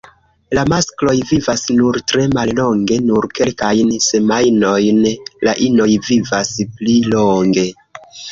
La maskloj vivas nur tre mallonge, nur kelkajn semajnojn, la inoj vivas pli longe.